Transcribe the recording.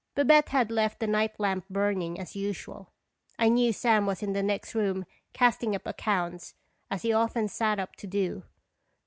Babette had left the night lamp burn ing, as usual. I knew Sam was in the next room casting up accounts, as he often sat up to do.